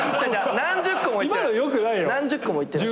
何十個もいってない。